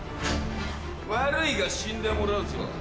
悪いが死んでもらうぞ。